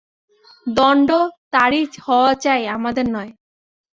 দণ্ড তারই হওয়া চাই, আমাদের নয়।